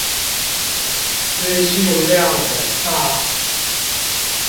資訊量很大